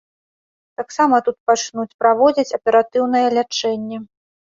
Таксама тут пачнуць праводзіць аператыўнае лячэнне.